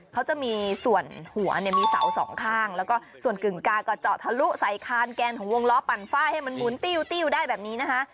เขาจะมีส่วนหัวเนี่ยมีเสาสองข้างแล้วก็ส่วนกึ่งกาก็เจาะทะลุใส่คานแกนของวงล้อปั่นฝ้ายให้มันหมุนติ้วได้แบบนี้นะคะ